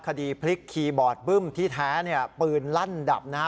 คดีพลิกคีย์บอร์ดบึ้มที่แท้เนี่ยปืนลั่นดับนะฮะ